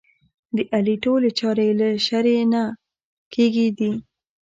د علي ټولې چارې له شرعې نه کېږي دي.